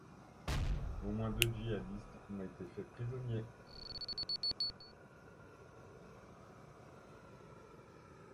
Au moins deux djihadistes ont été faits prisonniers.